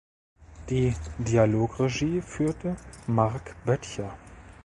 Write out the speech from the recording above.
Die Dialogregie führte Marc Boettcher.